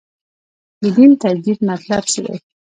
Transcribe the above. د دین تجدید مطلب څه دی.